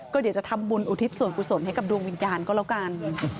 ก็เดี๋ยวจะทำบุญอุทิศส่วนกุศลให้กับดวงวิญญาณก็แล้วกัน